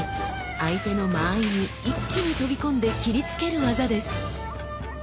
相手の間合いに一気に飛び込んで斬りつける技です。